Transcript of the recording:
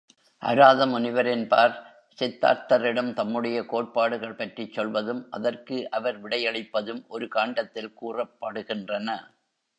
அராதமுனிவர் என்பார் சித்தார்த்தரிடம் தம்முடைய கோட்பாடுகள் பற்றிச் சொல்வதும் அதற்கு அவர் விடையளிப்பதும் ஒரு காண்டத்தில் கூறப்படுகின்றன.